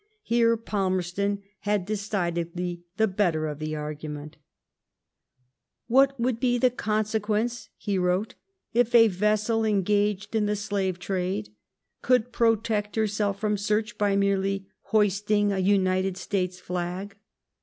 Here Palmerston had decidedly the better of the argu ment :— What would be the conseqaence [he wrote] if a Teasel engaged in the Blaye trade could protect herself from search by merely hoisting a United States flag